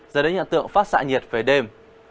giờ đến nhận tượng phát xạ nhiệt về đêm